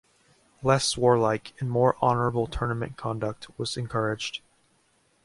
Less warlike and more honorable tournament conduct was encouraged.